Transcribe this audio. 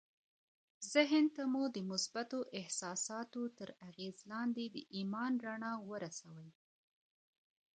ذهن ته مو د مثبتو احساساتو تر اغېز لاندې د ايمان رڼا ورسوئ.